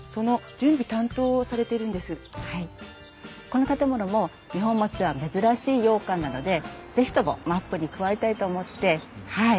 この建物も二本松では珍しい洋館なので是非ともマップに加えたいと思ってはい。